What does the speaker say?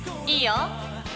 いいよ。